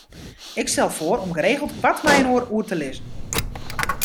Ik stel foar om geregeld koart mei-inoar oer te lizzen.